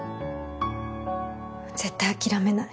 絶対諦めない。